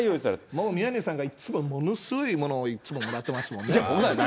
もう宮根さんが、いっつもものすごいものをいっつももらってますもんね。